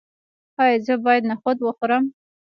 ایا زه باید نخود وخورم؟